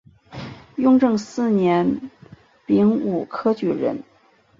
雍正四年丙午科举人。